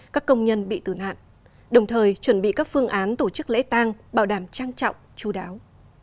các công nhân bị tử nạn đồng thời chuẩn bị các phương án tổ chức lễ tang bảo đảm trang trọng chú đáo